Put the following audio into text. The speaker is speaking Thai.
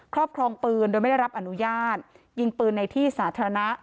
ครอบครองปืนโดยไม่ได้รับอนุญาตยิงปืนในที่สาธารณะ